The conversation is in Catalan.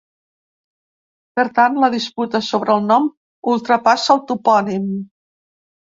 Per tant, la disputa sobre el nom ultrapassa el topònim.